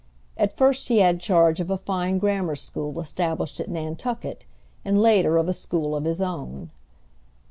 At first he had charge of a fine grammar school established at Nantucket, and later, of a school of his own.